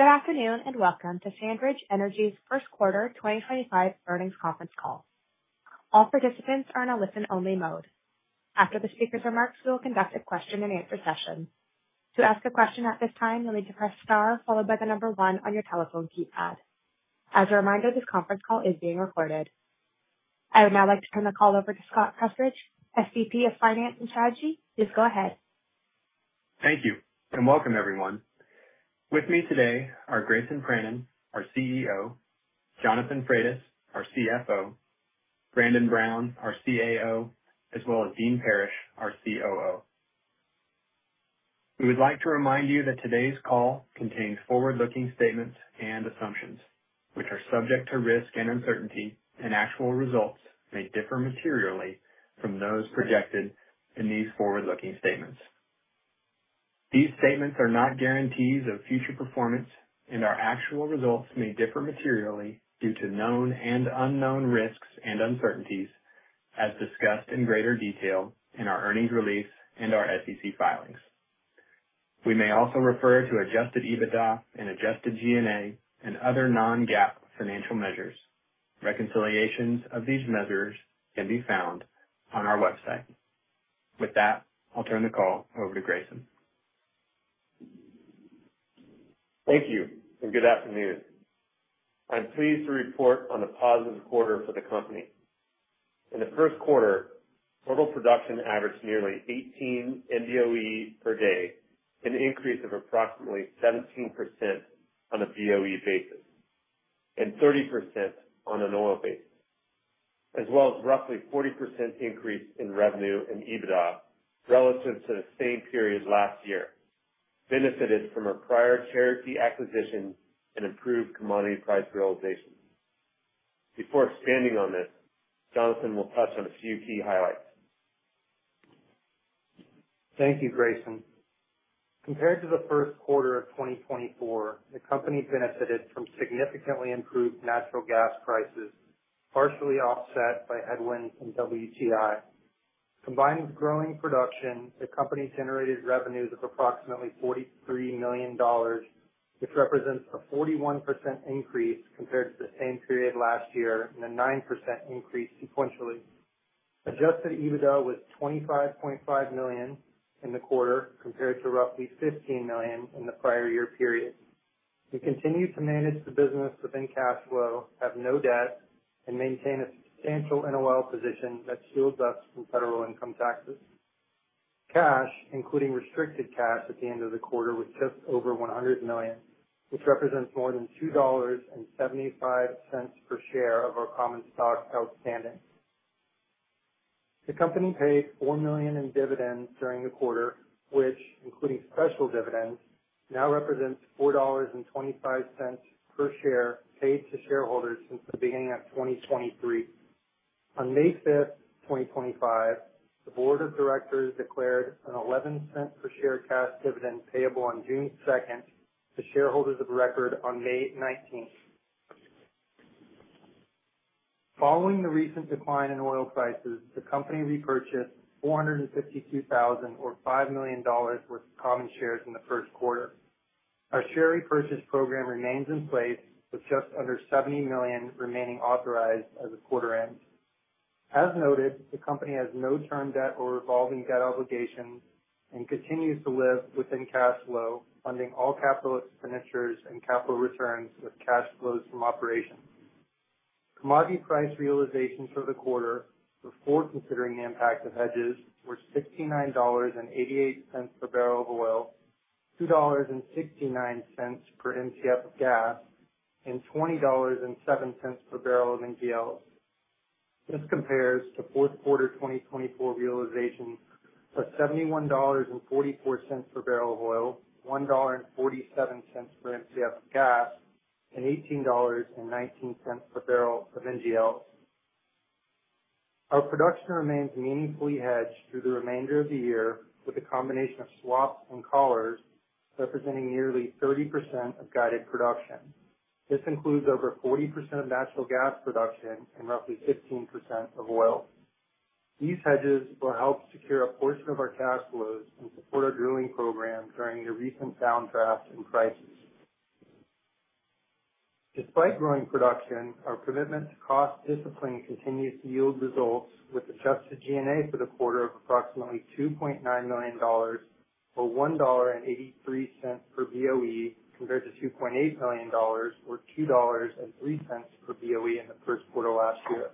Good afternoon and welcome to SandRidge Energy's first quarter 2025 earnings conference call. All participants are in a listen-only mode. After the speaker's remarks, we will conduct a question-and-answer session. To ask a question at this time, you'll need to press star followed by the number one on your telephone keypad. As a reminder, this conference call is being recorded. I would now like to turn the call over to Scott Prestridge, SVP of Finance and Strategy. Please go ahead. Thank you and welcome, everyone. With me today are Grayson Pranin, our CEO; Jonathan Frates, our CFO; Brandon Brown, our CAO; as well as Dean Parrish, our COO. We would like to remind you that today's call contains forward-looking statements and assumptions, which are subject to risk and uncertainty, and actual results may differ materially from those projected in these forward-looking statements. These statements are not guarantees of future performance, and our actual results may differ materially due to known and unknown risks and uncertainties, as discussed in greater detail in our earnings release and our SEC filings. We may also refer to adjusted EBITDA and adjusted G&A and other non-GAAP financial measures. Reconciliations of these measures can be found on our website. With that, I'll turn the call over to Grayson. Thank you and good afternoon. I'm pleased to report on a positive quarter for the company. In the first quarter, total production averaged nearly 18 NBOE per day, an increase of approximately 17% on a BOE basis and 30% on an oil basis, as well as a roughly 40% increase in revenue and EBITDA relative to the same period last year, benefited from our prior Cherokee acquisition and improved commodity price realization. Before expanding on this, Jonathan will touch on a few key highlights. Thank you, Grayson. Compared to the first quarter of 2024, the company benefited from significantly improved natural gas prices, partially offset by headwinds from WTI. Combined with growing production, the company generated revenues of approximately $43 million, which represents a 41% increase compared to the same period last year and a 9% increase sequentially. Adjusted EBITDA was $25.5 million in the quarter, compared to roughly $15 million in the prior year period. We continue to manage the business within cash flow, have no debt, and maintain a substantial NOL position that shields us from federal income taxes. Cash, including restricted cash at the end of the quarter, was just over $100 million, which represents more than $2.75 per share of our common stock outstanding. The company paid $4 million in dividends during the quarter, which, including special dividends, now represents $4.25 per share paid to shareholders since the beginning of 2023. On May 5, 2025, the board of directors declared an $0.11 per share cash dividend payable on June 2 to shareholders of record on May 19. Following the recent decline in oil prices, the company repurchased $452,000, or $5 million, worth of common shares in the first quarter. Our share repurchase program remains in place, with just under $70 million remaining authorized as the quarter ends. As noted, the company has no term debt or revolving debt obligations and continues to live within cash flow, funding all capital expenditures and capital returns with cash flows from operations. Commodity price realizations for the quarter, before considering the impact of hedges, were $69.88 per barrel of oil, $2.69 per MCF of gas, and $20.07 per barrel of NGLs. This compares to fourth quarter 2024 realizations of $71.44 per barrel of oil, $1.47 per MCF of gas, and $18.19 per barrel of NGLs. Our production remains meaningfully hedged through the remainder of the year, with a combination of swaps and collars representing nearly 30% of guided production. This includes over 40% of natural gas production and roughly 15% of oil. These hedges will help secure a portion of our cash flows and support our drilling program during the recent down draft and crisis. Despite growing production, our commitment to cost discipline continues to yield results, with adjusted G&A for the quarter of approximately $2.9 million, or $1.83 per BOE, compared to $2.8 million, or $2.03 per BOE in the first quarter last year.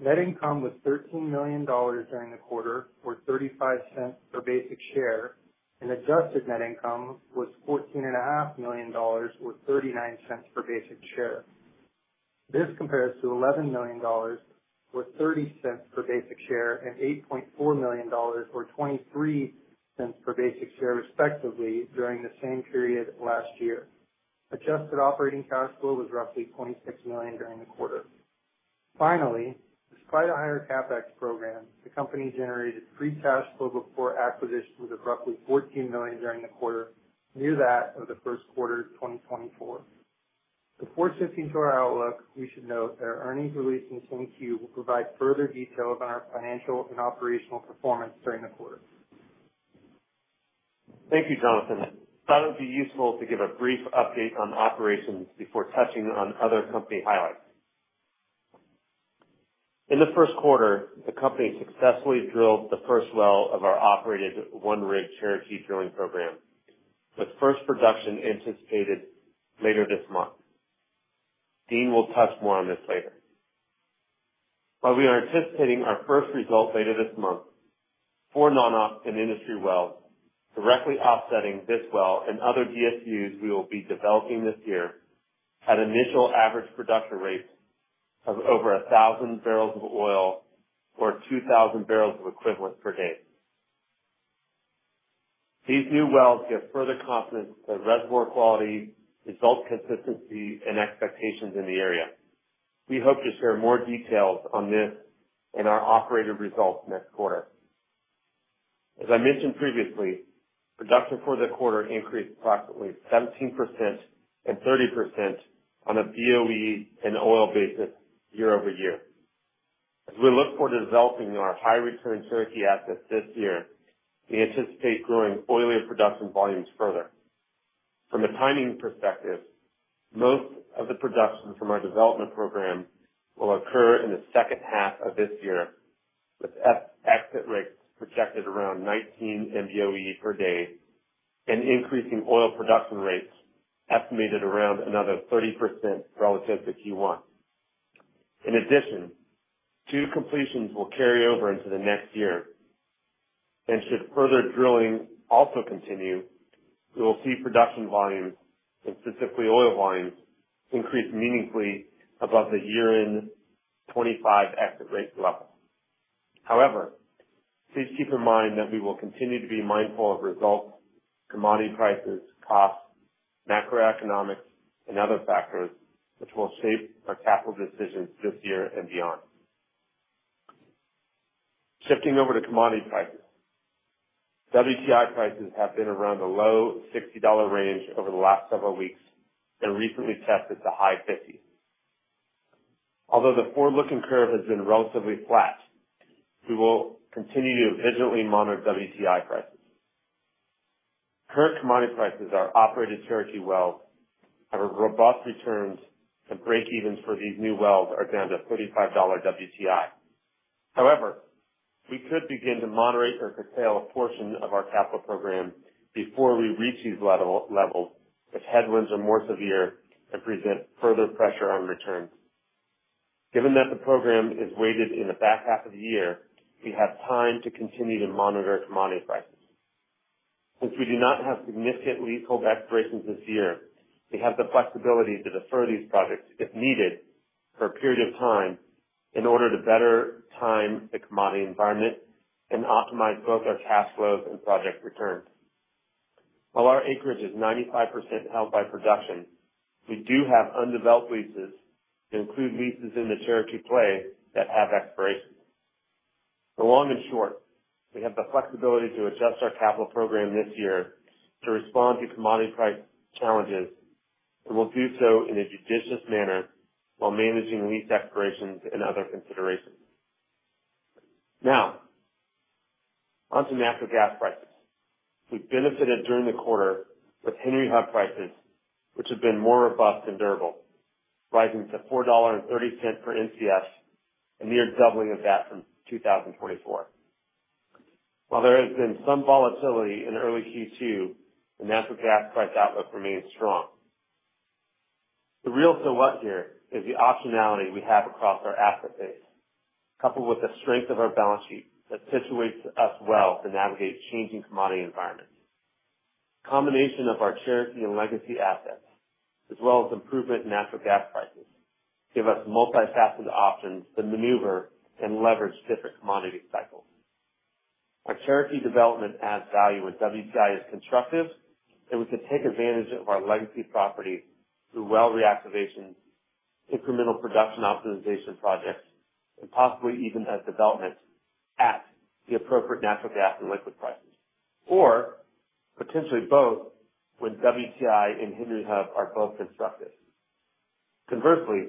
Net income was $13 million during the quarter, or $0.35 per basic share, and adjusted net income was $14.5 million, or $0.39 per basic share. This compares to $11 million, or $0.30 per basic share, and $8.4 million, or $0.23 per basic share, respectively, during the same period last year. Adjusted operating cash flow was roughly $26 million during the quarter. Finally, despite a higher CapEx program, the company generated free cash flow before acquisitions of roughly $14 million during the quarter, near that of the first quarter of 2024. Before shifting to our outlook, we should note that our earnings release in Q2 will provide further details on our financial and operational performance during the quarter. Thank you, Jonathan. Thought it would be useful to give a brief update on operations before touching on other company highlights. In the first quarter, the company successfully drilled the first well of our operated One Rig Charity Drilling Program, with first production anticipated later this month. Dean will touch more on this later. While we are anticipating our first result later this month, four non-op and industry wells directly offsetting this well and other DSUs we will be developing this year at initial average production rates of over 1,000 barrels of oil, or 2,000 barrels of equivalent per day. These new wells give further confidence to reservoir quality, result consistency, and expectations in the area. We hope to share more details on this and our operated results next quarter. As I mentioned previously, production for the quarter increased approximately 17% and 30% on a BOE and oil basis year over year. As we look forward to developing our high-return Cherokee assets this year, we anticipate growing oil production volumes further. From a timing perspective, most of the production from our development program will occur in the second half of this year, with exit rates projected around 19 NBOE per day and increasing oil production rates estimated around another 30% relative to Q1. In addition, two completions will carry over into the next year. Should further drilling also continue, we will see production volumes, specifically oil volumes, increase meaningfully above the year-end 25 exit rate level. However, please keep in mind that we will continue to be mindful of results, commodity prices, costs, macroeconomics, and other factors which will shape our capital decisions this year and beyond. Shifting over to commodity prices, WTI prices have been around the low $60 range over the last several weeks and recently tested the high $50. Although the forward-looking curve has been relatively flat, we will continue to vigilantly monitor WTI prices. Current commodity prices our operated Cherokee wells have robust returns, and break-evens for these new wells are down to $35 WTI. However, we could begin to moderate or curtail a portion of our capital program before we reach these levels if headwinds are more severe and present further pressure on returns. Given that the program is weighted in the back half of the year, we have time to continue to monitor commodity prices. Since we do not have significant leasehold expirations this year, we have the flexibility to defer these projects if needed for a period of time in order to better time the commodity environment and optimize both our cash flows and project returns. While our acreage is 95% held by production, we do have undeveloped leases to include leases in the Cherokee play that have expirations. For long and short, we have the flexibility to adjust our capital program this year to respond to commodity price challenges, and we'll do so in a judicious manner while managing lease expirations and other considerations. Now, onto natural gas prices. We've benefited during the quarter with Henry Hub prices, which have been more robust and durable, rising to $4.30 per MCF, a near doubling of that from 2024. While there has been some volatility in early Q2, the natural gas price outlook remains strong. The real so what here is the optionality we have across our asset base, coupled with the strength of our balance sheet that situates us well to navigate changing commodity environments. The combination of our Cherokee and legacy assets, as well as improvement in natural gas prices, gives us multifaceted options to maneuver and leverage different commodity cycles. Our Cherokee development adds value when WTI is constructive, and we can take advantage of our legacy properties through well reactivation, incremental production optimization projects, and possibly even asset development at the appropriate natural gas and liquid prices, or potentially both when WTI and Henry Hub are both constructive. Conversely,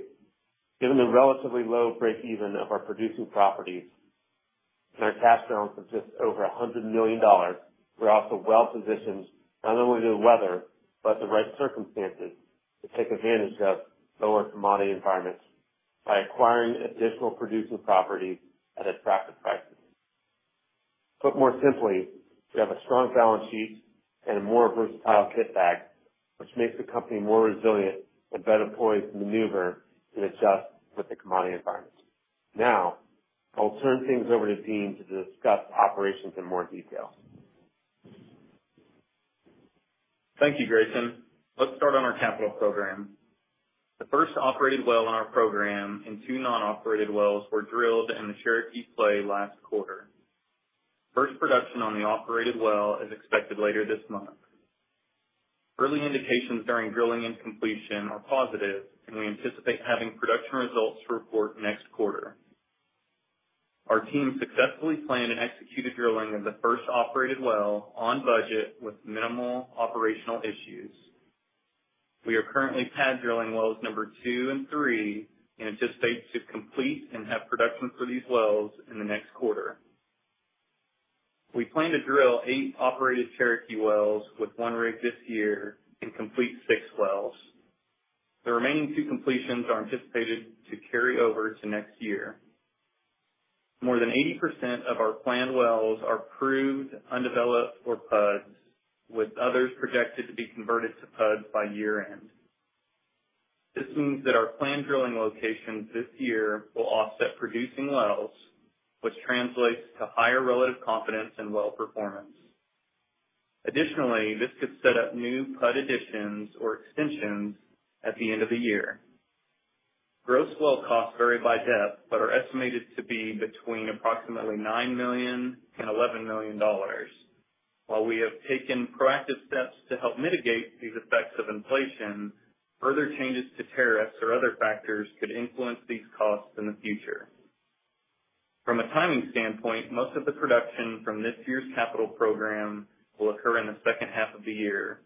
given the relatively low break-even of our producing properties and our cash balance of just over $100 million, we're also well positioned, not only to weather but, in the right circumstances, to take advantage of lower commodity environments by acquiring additional producing properties at attractive prices. Put more simply, we have a strong balance sheet and a more versatile kit bag, which makes the company more resilient and better poised to maneuver and adjust with the commodity environment. Now, I'll turn things over to Dean to discuss operations in more detail. Thank you, Grayson. Let's start on our capital program. The first operated well in our program and two non-operated wells were drilled in the Cherokee play last quarter. First production on the operated well is expected later this month. Early indications during drilling and completion are positive, and we anticipate having production results to report next quarter. Our team successfully planned and executed drilling of the first operated well on budget with minimal operational issues. We are currently pad drilling wells number two and three and anticipate to complete and have production for these wells in the next quarter. We plan to drill eight operated Cherokee wells with one rig this year and complete six wells. The remaining two completions are anticipated to carry over to next year. More than 80% of our planned wells are proved, undeveloped, or PUDs, with others projected to be converted to PUDs by year-end. This means that our planned drilling locations this year will offset producing wells, which translates to higher relative confidence and well performance. Additionally, this could set up new PUD additions or extensions at the end of the year. Gross well costs vary by depth but are estimated to be between approximately $9 million and $11 million. While we have taken proactive steps to help mitigate these effects of inflation, further changes to tariffs or other factors could influence these costs in the future. From a timing standpoint, most of the production from this year's capital program will occur in the second half of the year,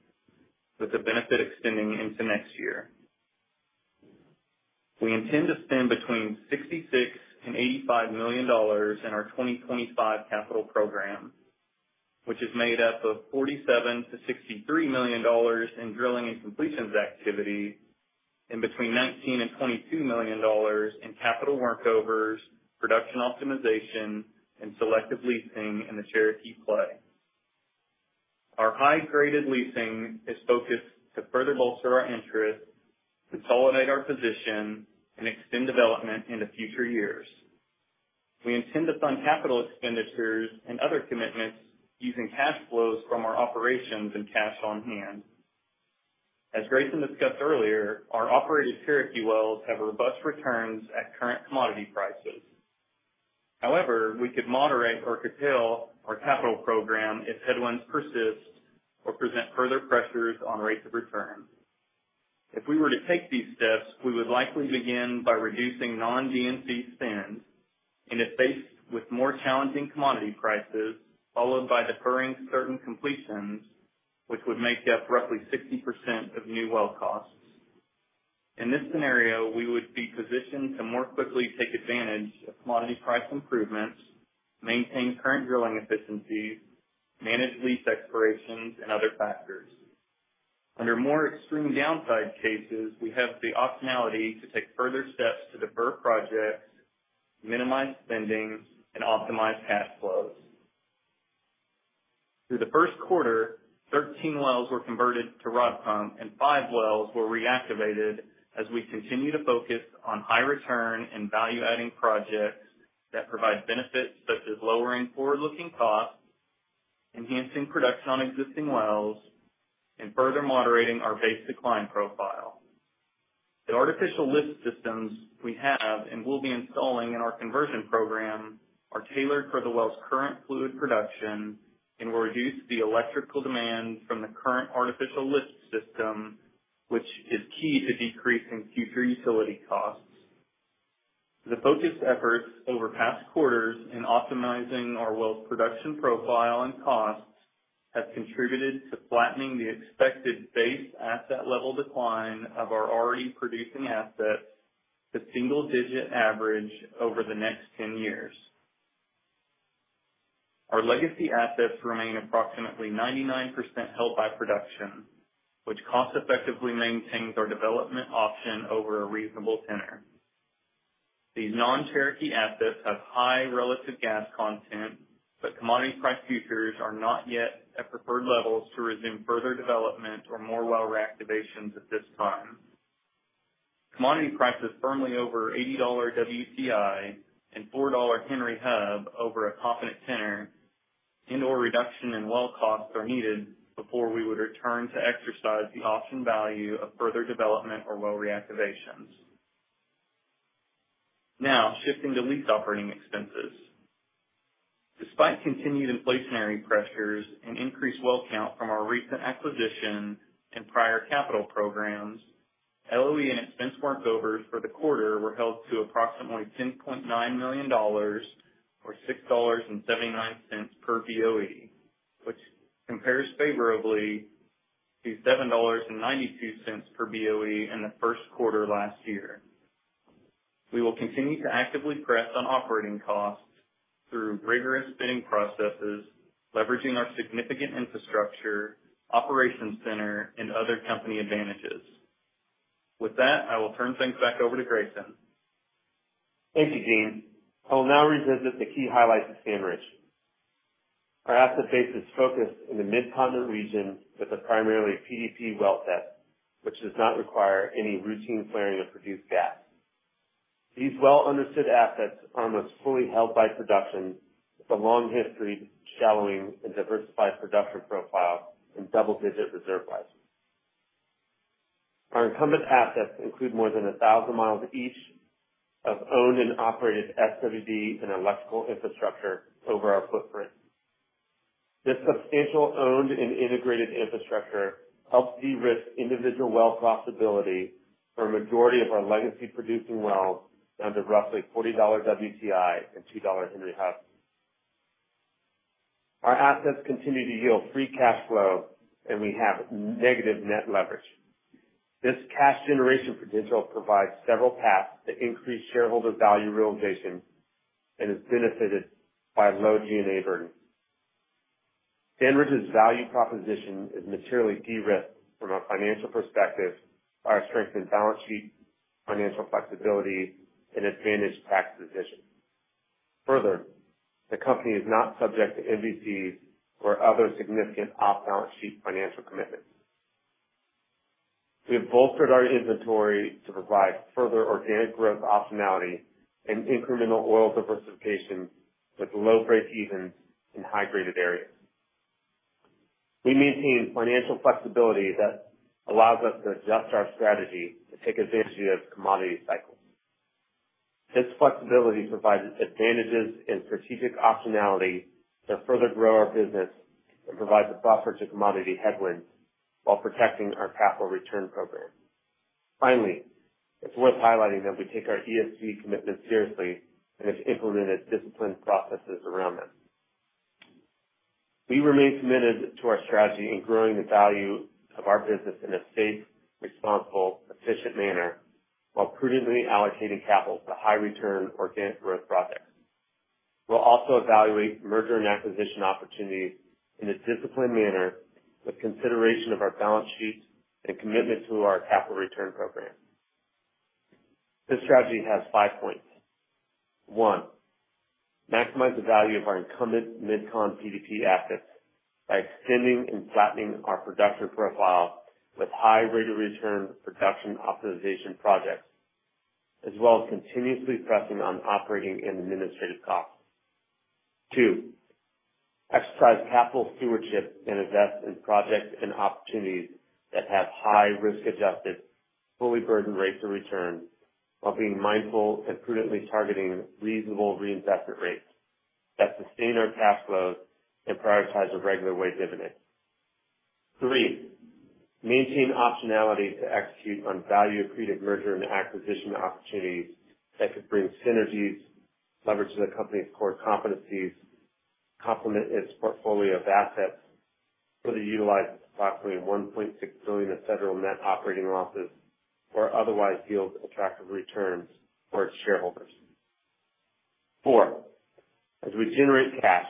with the benefit extending into next year. We intend to spend between $66 million and $85 million in our 2025 capital program, which is made up of $47 million-$63 million in drilling and completions activity and between $19 million and $22 million in capital workovers, production optimization, and selective leasing in the Cherokee play. Our high-graded leasing is focused to further bolster our interest, consolidate our position, and extend development into future years. We intend to fund capital expenditures and other commitments using cash flows from our operations and cash on hand. As Grayson discussed earlier, our operated Cherokee wells have robust returns at current commodity prices. However, we could moderate or curtail our capital program if headwinds persist or present further pressures on rates of return. If we were to take these steps, we would likely begin by reducing non-DNC spend and, if faced with more challenging commodity prices, followed by deferring certain completions, which would make up roughly 60% of new well costs. In this scenario, we would be positioned to more quickly take advantage of commodity price improvements, maintain current drilling efficiencies, manage lease expirations, and other factors. Under more extreme downside cases, we have the optionality to take further steps to defer projects, minimize spending, and optimize cash flows. Through the first quarter, 13 wells were converted to rod pump, and five wells were reactivated as we continue to focus on high-return and value-adding projects that provide benefits such as lowering forward-looking costs, enhancing production on existing wells, and further moderating our base decline profile. The artificial lift systems we have and will be installing in our conversion program are tailored for the well's current fluid production and will reduce the electrical demand from the current artificial lift system, which is key to decreasing future utility costs. The focused efforts over past quarters in optimizing our well's production profile and costs have contributed to flattening the expected base asset level decline of our already producing assets to single-digit average over the next 10 years. Our legacy assets remain approximately 99% held by production, which cost-effectively maintains our development option over a reasonable tenor. These non-Cherokee assets have high relative gas content, but commodity price futures are not yet at preferred levels to resume further development or more well reactivations at this time. Commodity prices firmly over $80 WTI and $4 Henry Hub over a confident tenor and/or reduction in well costs are needed before we would return to exercise the option value of further development or well reactivations. Now, shifting to lease operating expenses. Despite continued inflationary pressures and increased well count from our recent acquisition and prior capital programs, LOE and expense workovers for the quarter were held to approximately $10.9 million or $6.79 per BOE, which compares favorably to $7.92 per BOE in the first quarter last year. We will continue to actively press on operating costs through rigorous bidding processes, leveraging our significant infrastructure, operations center, and other company advantages. With that, I will turn things back over to Grayson. Thank you, Dean. I will now revisit the key highlights of SandRidge. Our asset base is focused in the Mid-Continent region with a primarily PDP well set, which does not require any routine flaring of produced gas. These well-understood assets are almost fully held by production with a long history, shallowing, and diversified production profile and double-digit reserve prices. Our incumbent assets include more than 1,000 mi each of owned and operated SWD and electrical infrastructure over our footprint. This substantial owned and integrated infrastructure helps de-risk individual well cost ability for a majority of our legacy producing wells down to roughly $40 WTI and $2 Henry Hub. Our assets continue to yield free cash flow, and we have negative net leverage. This cash generation potential provides several paths to increase shareholder value realization and is benefited by low G&A burden. SandRidge's value proposition is materially de-risked from a financial perspective by our strengthened balance sheet, financial flexibility, and advantage tax decisions. Further, the company is not subject to NVCs or other significant off-balance sheet financial commitments. We have bolstered our inventory to provide further organic growth optionality and incremental oil diversification with low break-evens in high-graded areas. We maintain financial flexibility that allows us to adjust our strategy to take advantage of commodity cycles. This flexibility provides advantages and strategic optionality to further grow our business and provides a buffer to commodity headwinds while protecting our capital return program. Finally, it's worth highlighting that we take our ESG commitments seriously and have implemented disciplined processes around them. We remain committed to our strategy in growing the value of our business in a safe, responsible, efficient manner while prudently allocating capital to high-return, organic growth projects. We'll also evaluate merger and acquisition opportunities in a disciplined manner with consideration of our balance sheet and commitment to our capital return program. This strategy has five points. One, maximize the value of our incumbent Mid-Continent PDP assets by extending and flattening our production profile with high-rated return production optimization projects, as well as continuously pressing on operating and administrative costs. Two, exercise capital stewardship and invest in projects and opportunities that have high risk-adjusted, fully burdened rates of return while being mindful and prudently targeting reasonable reinvestment rates that sustain our cash flows and prioritize a regular way dividend. Three, maintain optionality to execute on value-accretive merger and acquisition opportunities that could bring synergies, leverage the company's core competencies, complement its portfolio of assets, further utilize approximately $1.6 billion of federal net operating losses or otherwise yield attractive returns for its shareholders. Four, as we generate cash,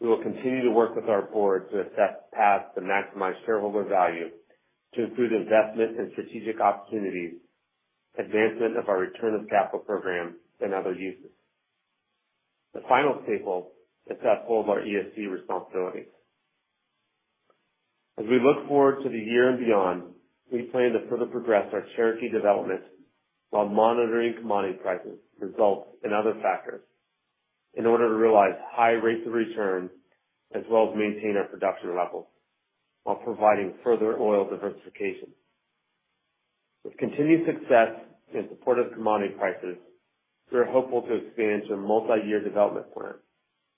we will continue to work with our board to assess paths to maximize shareholder value to include investment and strategic opportunities, advancement of our return of capital program, and other uses. The final staple is to uphold our ESG responsibilities. As we look forward to the year and beyond, we plan to further progress our Cherokee development while monitoring commodity prices, results, and other factors in order to realize high rates of return as well as maintain our production levels while providing further oil diversification. With continued success and supportive commodity prices, we're hopeful to expand to a multi-year development plan.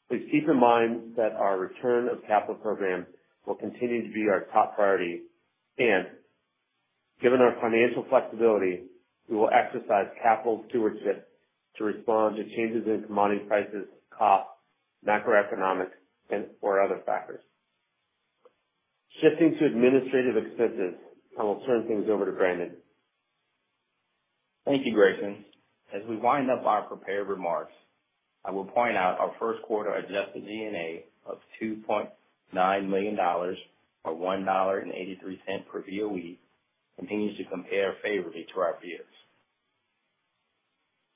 Please keep in mind that our return of capital program will continue to be our top priority and, given our financial flexibility, we will exercise capital stewardship to respond to changes in commodity prices, costs, macroeconomic, and/or other factors. Shifting to administrative expenses, I will turn things over to Brandon. Thank you, Grayson. As we wind up our prepared remarks, I will point out our first quarter adjusted G&A of $2.9 million or $1.83 per BOE continues to compare favorably to our peers.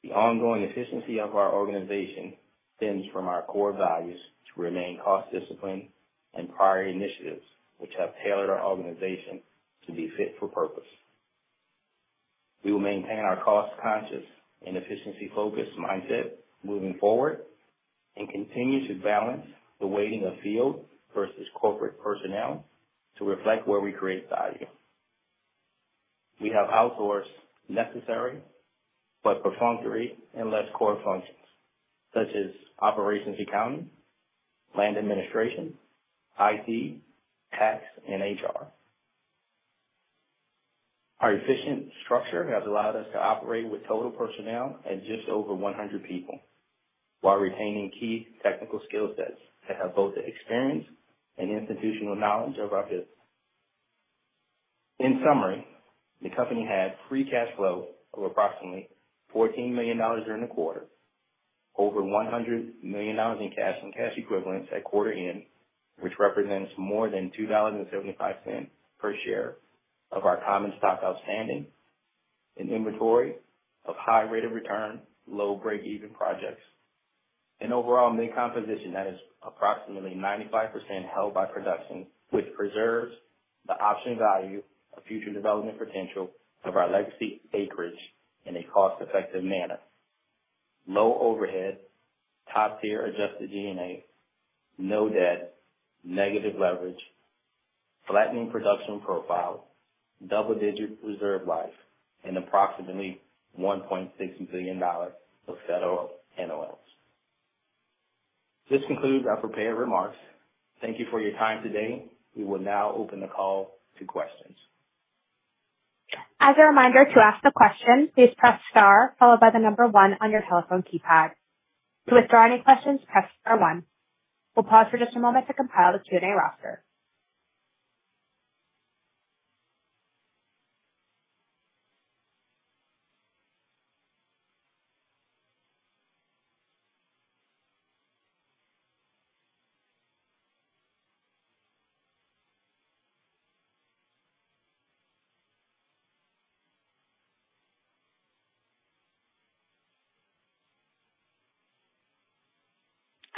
The ongoing efficiency of our organization stems from our core values to remain cost disciplined and prior initiatives, which have tailored our organization to be fit for purpose. We will maintain our cost-conscious and efficiency-focused mindset moving forward and continue to balance the weighting of field versus corporate personnel to reflect where we create value. We have outsourced necessary but perfunctory and less core functions such as operations accounting, land administration, IT, tax, and HR. Our efficient structure has allowed us to operate with total personnel at just over 100 people while retaining key technical skill sets that have both experience and institutional knowledge of our business. In summary, the company had free cash flow of approximately $14 million during the quarter, over $100 million in cash and cash equivalents at quarter end, which represents more than $2.75 per share of our common stock outstanding, an inventory of high-rated return, low break-even projects, and overall mid-composition that is approximately 95% held by production, which preserves the option value of future development potential of our legacy acreage in a cost-effective manner. Low overhead, top-tier adjusted G&A, no debt, negative leverage, flattening production profile, double-digit reserve life, and approximately $1.6 billion of federal NOLs. This concludes our prepared remarks. Thank you for your time today. We will now open the call to questions. As a reminder to ask a question, please press star followed by the number one on your telephone keypad. To withdraw any questions, press star one. We'll pause for just a moment to compile the Q&A roster.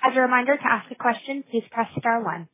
As a reminder to ask a question, please press star one.